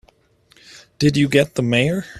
Did you get the Mayor?